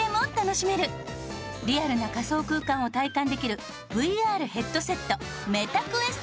リアルな仮想空間を体感できるＶＲヘッドセットＭｅｔａＱｕｅｓｔ